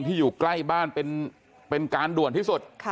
อยู่ใกล้บ้านเป็นการด่วนที่สุด